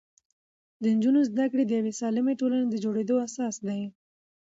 د نجونو زده کړې د یوې سالمې ټولنې د جوړېدو اساس دی.